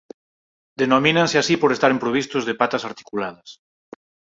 Denomínanse así por estaren provistos de patas articuladas.